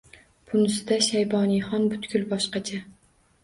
Bunisida Shayboniyxon butkul boshqacha.